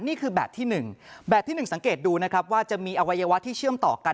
นี่คือแบบที่๑แบบที่๑สังเกตดูนะครับว่าจะมีอวัยวะที่เชื่อมต่อกัน